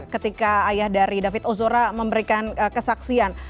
ketika ayah dari david ozora memberikan kesaksian